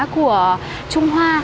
của trung hoa